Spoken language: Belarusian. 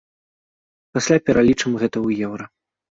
Пасля пералічым гэта ў еўра.